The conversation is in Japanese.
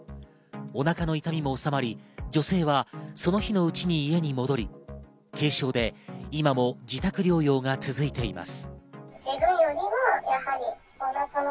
お腹の痛みもおさまり、女性はその日のうちに家に戻り、軽症で今も自宅療養が続いています。